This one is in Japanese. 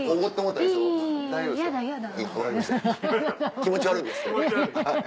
気持ち悪いんですって。